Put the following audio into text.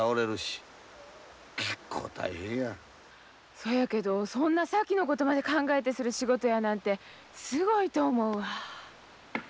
そやけどそんな先のことまで考えてする仕事やなんてすごいと思うわ。